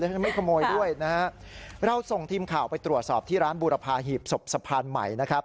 ฉันไม่ขโมยด้วยนะฮะเราส่งทีมข่าวไปตรวจสอบที่ร้านบูรพาหีบศพสะพานใหม่นะครับ